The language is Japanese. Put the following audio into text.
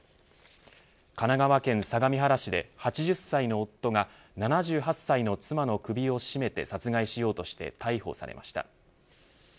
神奈川県相模原市で８０歳の夫が７８歳の妻の首を絞めて殺害しようとしたとして逮捕されました。